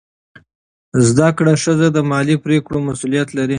زده کړه ښځه د مالي پریکړو مسؤلیت لري.